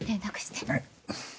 はい。